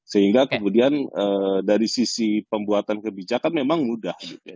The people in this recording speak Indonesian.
sehingga kemudian dari sisi pembuatan kebijakan memang mudah